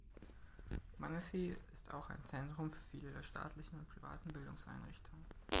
Mannuthy ist auch ein Zentrum für viele der staatlichen und privaten Bildungseinrichtungen.